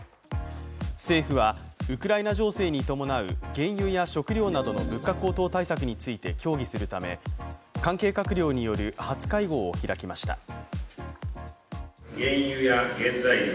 政府は、ウクライナ情勢に伴う原油や食料などの物価高騰対策について協議するため関係閣僚による初会合を開きました。